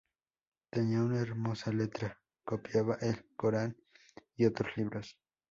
Tenía una hermosa letra, copiaba El Corán y otros libros.